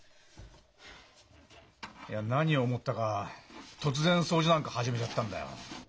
いや何を思ったか突然掃除なんか始めちゃったんだよ。